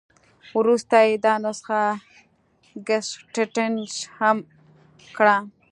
وروسته یې دا نسخه ګسټتنر هم کړه.